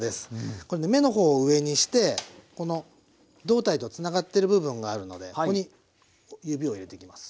これね目の方を上にしてこの胴体とつながってる部分があるのでここに指を入れていきます。